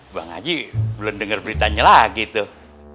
bang haji belum dengar beritanya lagi tuh